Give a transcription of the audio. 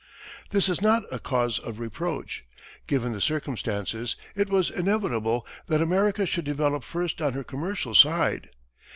This is not a cause of reproach. Given the circumstances, it was inevitable that America should develop first on her commercial side.